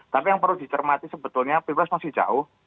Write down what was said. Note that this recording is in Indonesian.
tapi yang perlu dicermati sebetulnya pilpres masih jauh